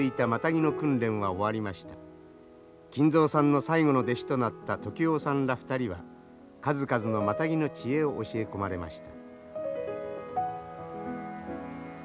金蔵さんの最後の弟子となった時男さんら２人は数々のマタギの知恵を教え込まれました。